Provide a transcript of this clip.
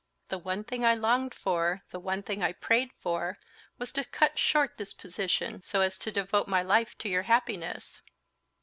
"The one thing I longed for, the one thing I prayed for, was to cut short this position, so as to devote my life to your happiness."